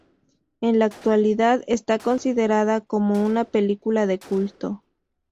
En la actualidad está considerada como una película de culto.